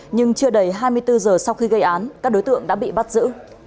nhưng chưa đầy hai mươi bốn giờ sau khi gây án các đối tượng đã bị bắt giữ